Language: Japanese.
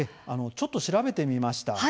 ちょっと調べてみました。